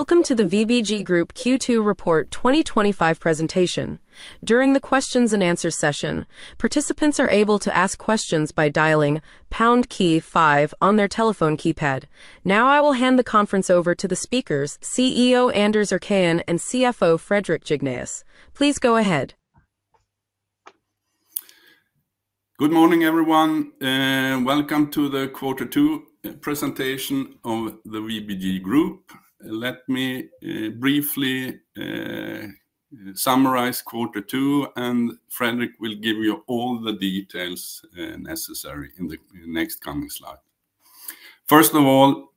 Welcome to the VBG Group Q2 report 2025 presentation. During the questions and answers session, participants are able to ask questions by dialing Pound key, 5 on their telephone keypad. Now I will hand the conference over to the speakers, CEO Anders Erkén and CFO Fredrik Jignéus. Please go ahead. Good morning, everyone. Welcome to the Q2 presentation of the VBG Group. Let me briefly summarize Q2, and Fredrik will give you all the details necessary in the next coming slide. First of all,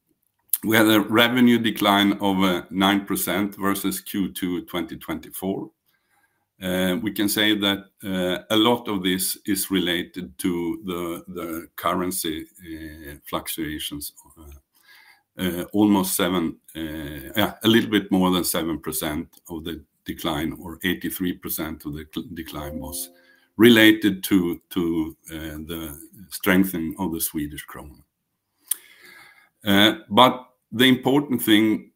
we had a revenue decline of 9% versus Q2 2024. We can say that a lot of this is related to the currency fluctuations of almost 7%, yeah, a little bit more than 7% of the decline, or 83% of the decline was related to the strengthening of the Swedish krona. The important thing,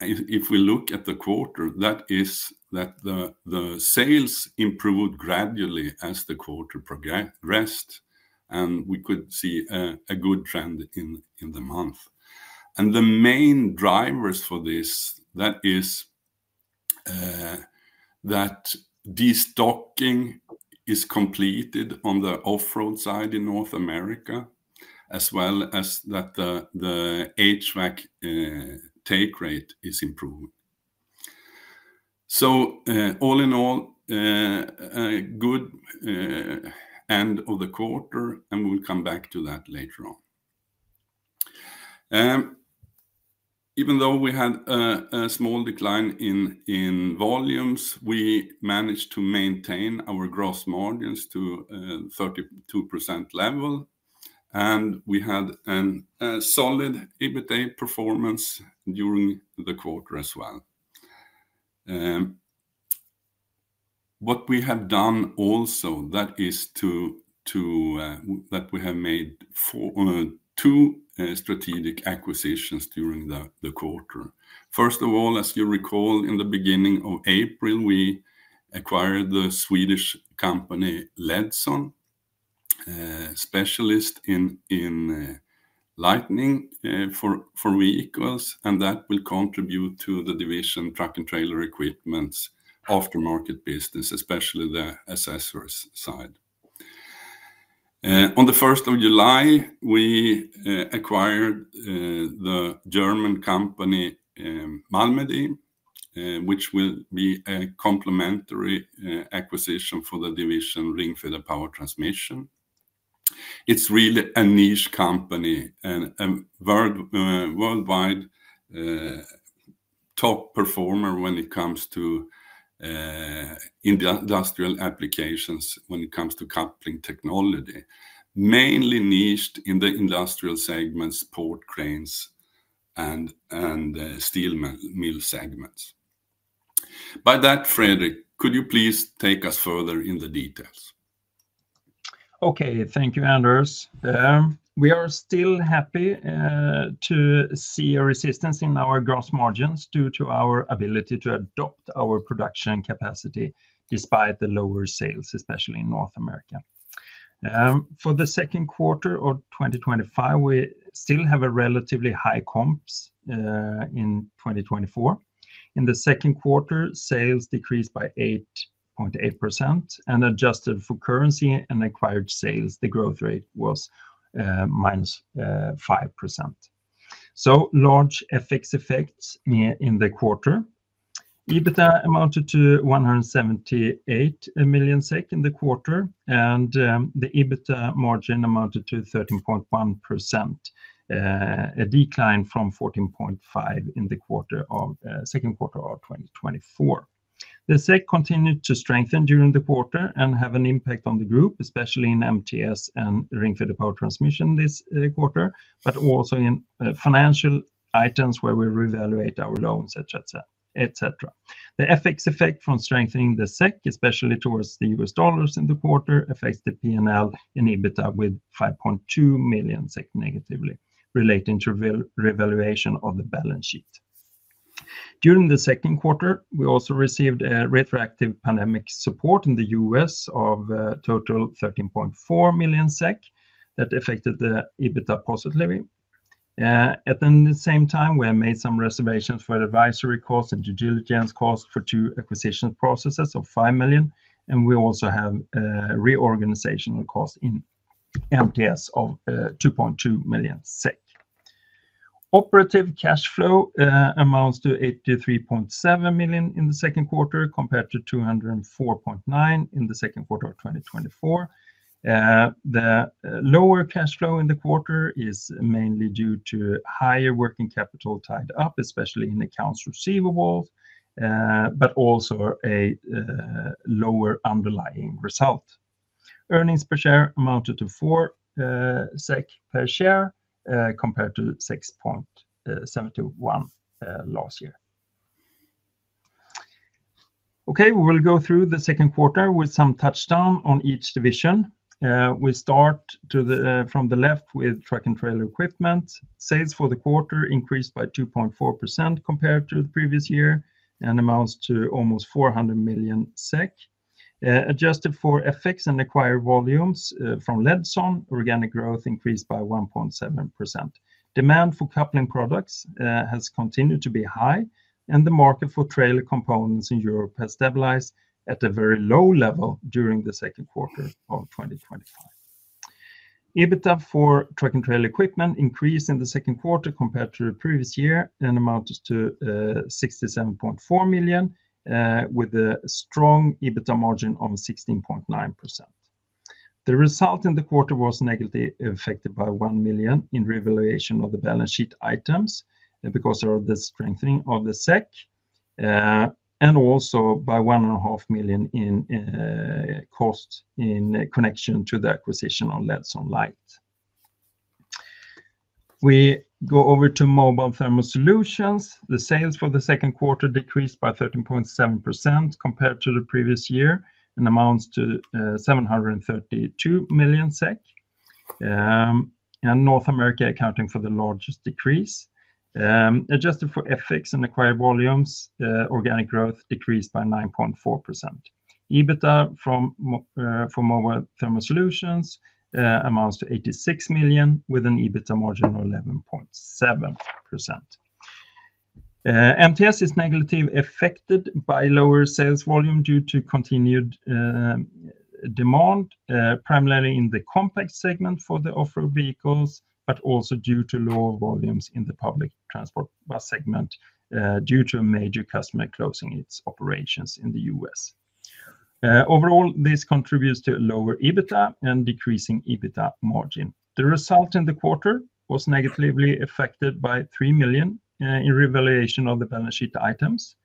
if we look at the quarter, is that the sales improved gradually as the quarter progressed, and we could see a good trend in the month. The main drivers for this are that destocking is completed on the off-road side in North America, as well as that the HVAC take rate is improved. All in all, a good end of the quarter, and we'll come back to that later on. Even though we had a small decline in volumes, we managed to maintain our gross margins to a 32% level, and we had a solid EBITDA performance during the quarter as well. What we have done also is that we have made two strategic acquisitions during the quarter. First of all, as you recall, in the beginning of April, we acquired the Swedish company Ledson, a specialist in lighting for vehicles, and that will contribute to the division Truck & Trailer Equipment's aftermarket business, especially the accessories side. On the 1st of July, we acquired the German company Malmedie, which will be a complementary acquisition for the division Ringfeder Power Transmission. It's really a niche company and a worldwide top performer when it comes to industrial applications, when it comes to coupling technology, mainly niched in the industrial segments, port cranes, and steel mill segments. By that, Fredrik, could you please take us further in the details? Okay. Thank you, Anders. We are still happy to see a resistance in our gross margins due to our ability to adapt our production capacity despite the lower sales, especially in North America. For the second quarter of 2025, we still have a relatively high comps in 2024. In the second quarter, sales decreased by 8.8% and adjusted for currency and acquired sales, the growth rate was -5%. Large fixed effects in the quarter. EBITDA amounted to 178 million SEK in the quarter, and the EBITDA margin amounted to 13.1%, a decline from 14.5% in the second quarter of 2024. The SEK continued to strengthen during the quarter and had an impact on the group, especially in MTS and Ringfeder Power Transmission this quarter, but also in financial items where we reevaluate our loans, etc. The FX effect from strengthening the SEK, especially towards the U.S. dollar in the quarter, affects the P&L in EBITDA with 5.2 million SEK negatively, relating to reevaluation of the balance sheet. During the second quarter, we also received a retroactive pandemic support in the U.S. of a total of 13.4 million SEK that affected the EBITDA positively. At the same time, we have made some reservations for advisory costs and due diligence costs for two acquisition processes of 5 million, and we also have a reorganizational cost in MTS of 2.2 million SEK. Operative cash flow amounts to 83.7 million in the second quarter compared to 204.9 million in the second quarter of 2024. The lower cash flow in the quarter is mainly due to higher working capital tied up, especially in accounts receivable, but also a lower underlying result. Earnings per share amounted to 4 SEK per share compared to 6.71 last year. Okay, we will go through the second quarter with some touchdown on each division. We start from the left with Truck & Trailer Equipment. Sales for the quarter increased by 2.4% compared to the previous year and amounts to almost 400 million SEK. Adjusted for FX and acquired volumes from Ledson, organic growth increased by 1.7%. Demand for coupling products has continued to be high, and the market for trailer components in Europe has stabilized at a very low level during the second quarter of 2025. EBITDA for Truck & Trailer Equipment increased in the second quarter compared to the previous year and amounted to 67.4 million with a strong EBITDA margin of 16.9%. The result in the quarter was negatively affected by $1 million in reevaluation of the balance sheet items because of the strengthening of the SEK and also by $1.5 million in costs in connection to the acquisition of Ledson Lights. We go over to Mobile Thermal Solutions. The sales for the second quarter decreased by 13.7% compared to the previous year and amounts to 732 million SEK, with North America accounting for the largest decrease. Adjusted for FX and acquired volumes, organic growth decreased by 9.4%. EBITDA for Mobile Thermal Solutions amounts to 86 million with an EBITDA margin of 11.7%. MTS is negatively affected by lower sales volume due to continued demand, primarily in the complex segment for the off-road vehicles, but also due to lower volumes in the public transport bus segment due to a major customer closing its operations in the U.S. Overall, this contributes to a lower EBITDA and decreasing EBITDA margin. The result in the quarter was negatively affected by $3 million in reevaluation of the balance sheet items.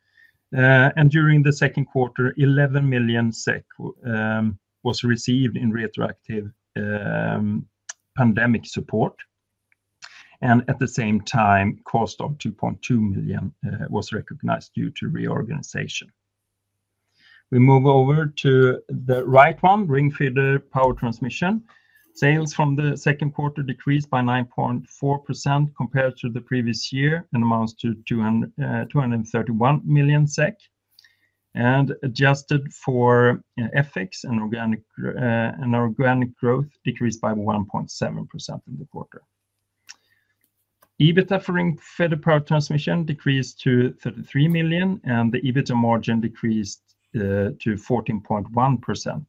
During the second quarter, 11 million SEK was received in retroactive pandemic support. At the same time, cost of $2.2 million was recognized due to reorganization. We move over to the next one, Ringfeder Power Transmission. Sales from the second quarter decreased by 9.4% compared to the previous year and amounts to 231 million SEK. Adjusted for FX, organic growth decreased by 1.7% in the quarter. EBITDA for Ringfeder Power Transmission decreased to 33 million, and the EBITDA margin decreased to 14.1%.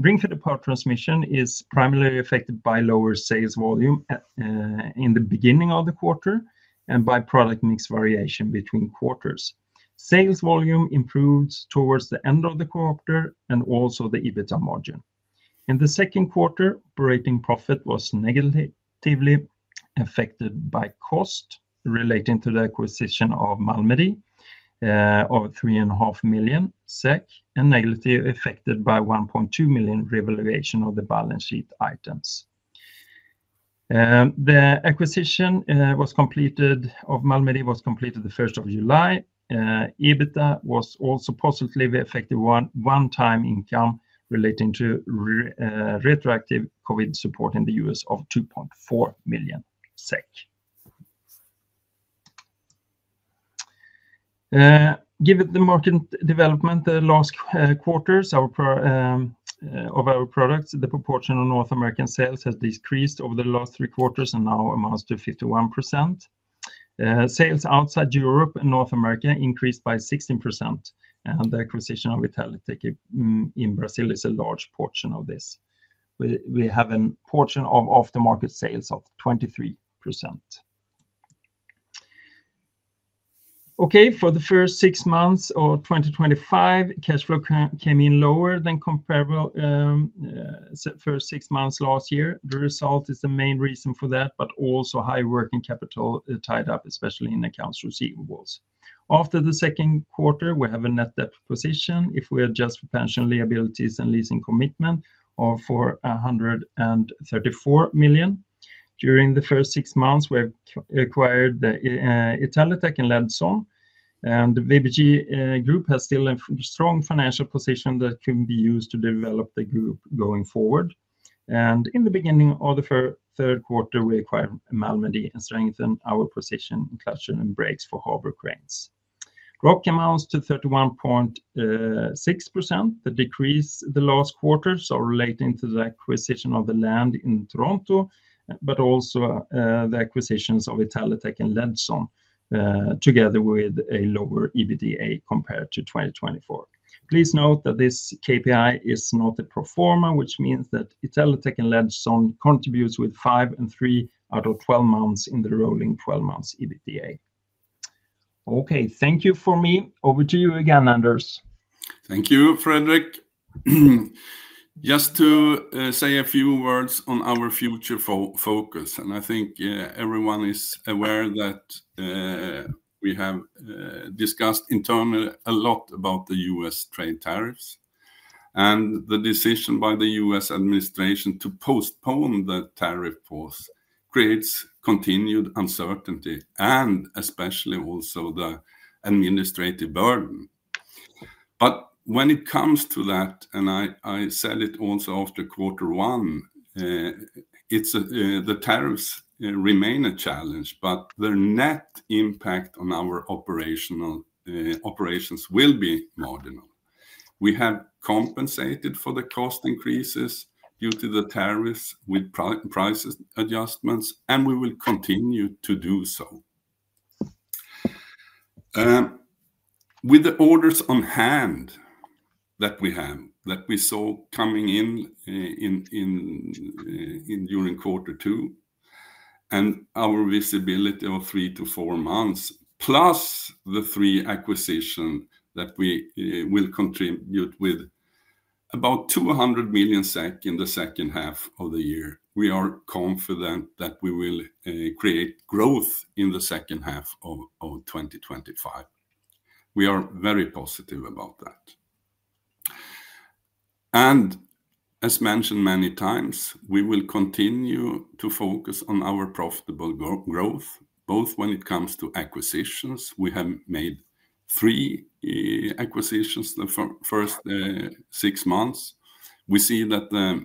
Ringfeder Power Transmission is primarily affected by lower sales volume in the beginning of the quarter and by product mix variation between quarters. Sales volume improved towards the end of the quarter and also the EBITDA margin. In the second quarter, operating profit was negatively affected by cost relating to the acquisition of Malmedie of $3.5 million and negatively affected by $1.2 million reevaluation of the balance sheet items. The acquisition of Malmedie was completed the 1st of July. EBITDA was also positively affected by one-time income relating to retroactive COVID support in the U.S. of 2.4 million SEK. Given the market development in the last quarters of our products, the proportion of North American sales has decreased over the last three quarters and now amounts to 51%. Sales outside Europe and North America increased by 16%, and the acquisition of Italytec in Brazil is a large portion of this. We have a portion of aftermarket sales of 23%. For the first six months of 2025, cash flow came in lower than comparable first six months last year. The result is the main reason for that, but also high working capital tied up, especially in accounts receivables. After the second quarter, we have a net debt position if we adjust for pension liabilities and leasing commitment of 434 million. During the first six months, we have acquired Italytec and Ledson, and VBG Group has still a strong financial position that can be used to develop the group going forward. In the beginning of the third quarter, we acquired Malmedie and strengthened our position in coupling and brakes for harbor cranes. Growth amounts to 31.6%, but decreased the last quarter, relating to the acquisition of the land in Toronto, but also the acquisitions of Italytec and Ledson together with a lower EBITDA compared to 2024. Please note that this KPI is not a proforma, which means that Italytec and Ledson contribute five and three out of 12 months in the rolling 12 months EBITDA. Thank you for me. Over to you again, Anders. Thank you, Fredrik. Just to say a few words on our future focus, I think everyone is aware that we have discussed internally a lot about the U.S. trade tariffs. The decision by the U.S. administration to postpone the tariff pause creates continued uncertainty and especially also the administrative burden. When it comes to that, I said it also after quarter one, the tariffs remain a challenge, but their net impact on our operations will be marginal. We have compensated for the cost increases due to the tariffs with product price adjustments, and we will continue to do so. With the orders on hand that we have, that we saw coming in during quarter two, and our visibility of three to four months, plus the three acquisitions that will contribute with about 200 million SEK in the second half of the year, we are confident that we will create growth in the second half of 2025. We are very positive about that. As mentioned many times, we will continue to focus on our profitable growth, both when it comes to acquisitions. We have made three acquisitions the first six months. We see that the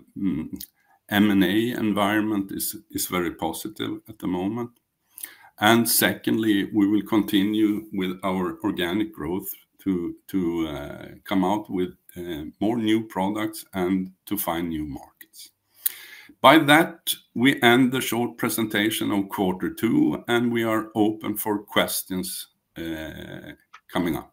M&A environment is very positive at the moment. Secondly, we will continue with our organic growth to come out with more new products and to find new markets. By that, we end the short presentation of quarter two, and we are open for questions coming up.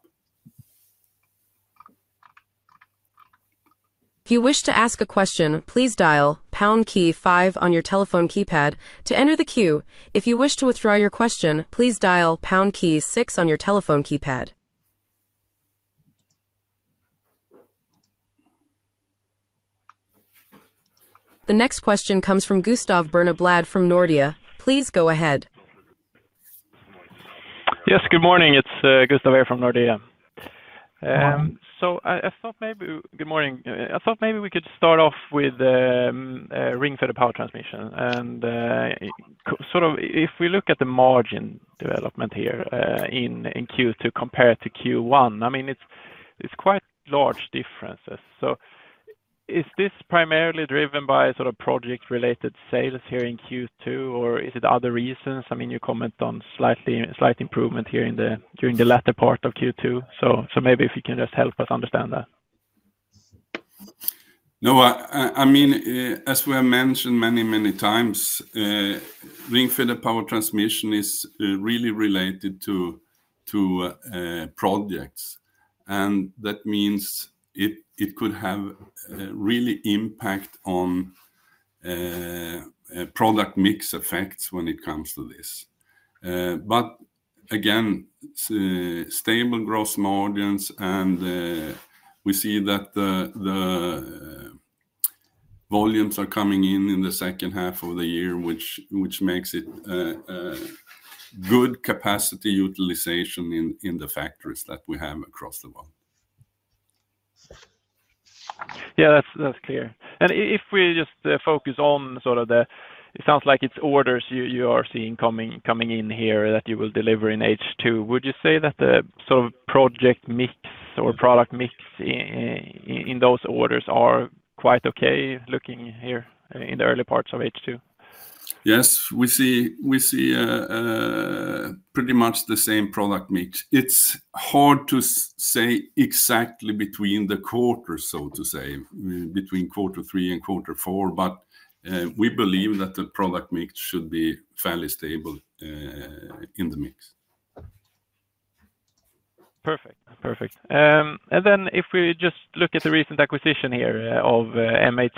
If you wish to ask a question, please dial Pound key, five on your telephone keypad to enter the queue. If you wish to withdraw your question, please dial Pound key, six on your telephone keypad. The next question comes from Gustav Berneblad from Nordea. Please go ahead. Yes, good morning. It's Gustav here from Nordea. I thought maybe we could start off with Ringfeder Power Transmission. If we look at the margin development here in Q2 compared to Q1, it's quite large differences. Is this primarily driven by project-related sales here in Q2, or is it other reasons? You comment on slight improvement here during the latter part of Q2. Maybe if you can just help us understand that. As we have mentioned many, many times, Ringfeder Power Transmission is really related to projects. That means it could have a real impact on product mix effects when it comes to this. Again, stable gross margins, and we see that the volumes are coming in in the second half of the year, which makes it good capacity utilization in the factories that we have across the world. Yeah, that's clear. If we just focus on sort of the, it sounds like it's orders you are seeing coming in here that you will deliver in H2. Would you say that the sort of project mix or product mix in those orders are quite okay looking here in the early parts of H2? Yes, we see pretty much the same product mix. It's hard to say exactly between the quarter, so to say, between quarter three and quarter four, but we believe that the product mix should be fairly stable in the mix. Perfect. If we just look at the recent acquisition here of M.A.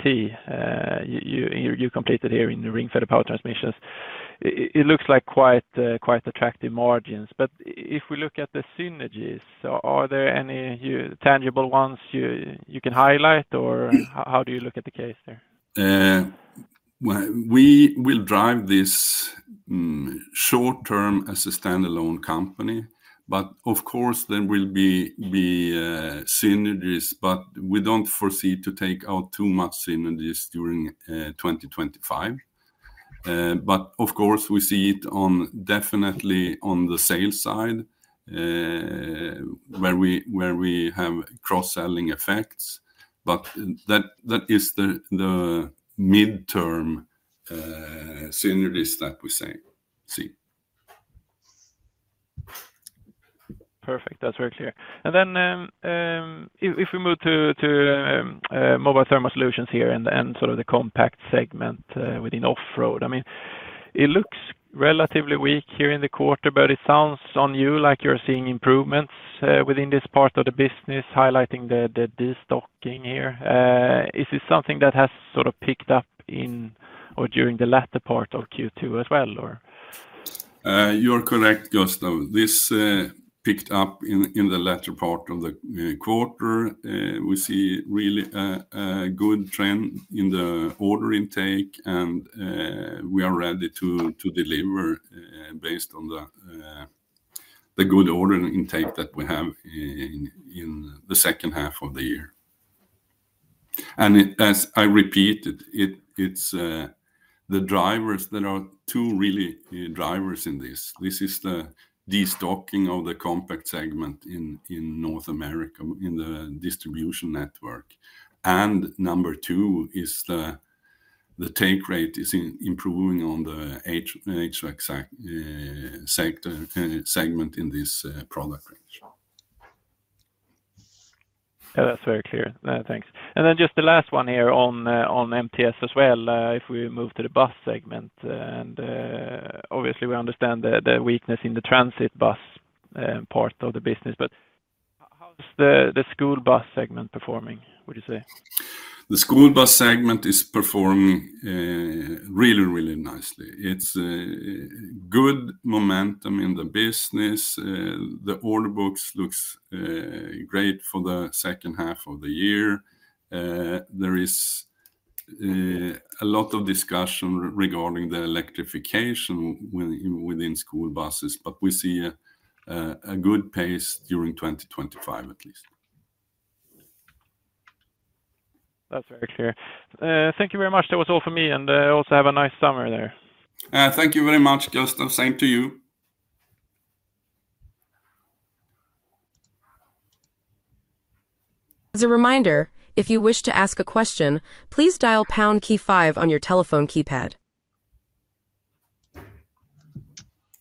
you completed here in Ringfeder Power Transmission, it looks like quite attractive margins. If we look at the synergies, are there any tangible ones you can highlight, or how do you look at the case there? We will drive this short-term as a standalone company, but of course, there will be synergies. We don't foresee to take out too much synergies during 2025. Of course, we see it definitely on the sales side where we have cross-selling effects. That is the mid-term synergies that we see. Perfect. That's very clear. If we move to Mobile Thermal Solutions here and sort of the compact segment within off-road, it looks relatively weak here in the quarter, but it sounds on you like you're seeing improvements within this part of the business, highlighting the destocking here. Is this something that has sort of picked up in or during the latter part of Q2 as well, or? You're correct, Gustav. This picked up in the latter part of the quarter. We see really a good trend in the order intake, and we are ready to deliver based on the good order intake that we have in the second half of the year. As I repeated, it's the drivers that are two really drivers in this. This is the destocking of the compact segment in North America in the distribution network. Number two is the take rate is improving on the HVAC segment in this product range. Yeah, that's very clear. Thanks. Just the last one here on MTS as well, if we move to the bus segment. Obviously, we understand the weakness in the transit bus part of the business, but how's the school bus segment performing, would you say? The school bus segment is performing really, really nicely. It's a good momentum in the business. The order books look great for the second half of the year. There is a lot of discussion regarding the electrification within school buses, but we see a good pace during 2025, at least. That's very clear. Thank you very much. That was all for me, and I hope you have a nice summer there. Thank you very much, Gustav. Same to you. A reminder, if you wish to ask a question, please dial Pound key, five on your telephone keypad.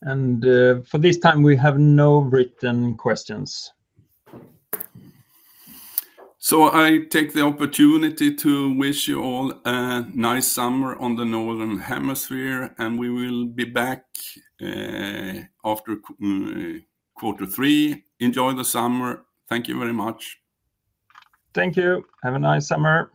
We have no written questions this time. I take the opportunity to wish you all a nice summer on the northern hemisphere, and we will be back after quarter three. Enjoy the summer. Thank you very much. Thank you. Have a nice summer.